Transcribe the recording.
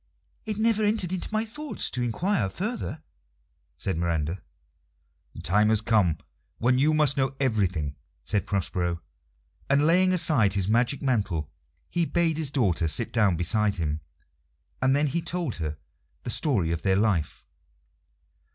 "It never entered into my thoughts to inquire further," said Miranda. "The time has come when you must know everything," said Prospero; and laying aside his magic mantle, he bade his daughter sit down beside him, and then he told her the story of their life.